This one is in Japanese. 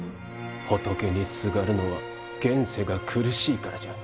仏にすがるのは現世が苦しいからじゃ。